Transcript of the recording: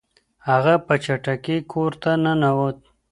هغه په چټکۍ کور ته ننوت.